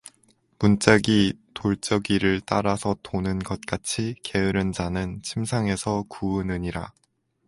문짝이 돌쩌귀를 따라서 도는 것 같이 게으른 자는 침상에서 구으느니라